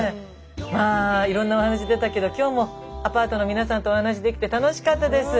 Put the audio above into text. まあいろんなお話出たけど今日もアパートの皆さんとお話しできて楽しかったです。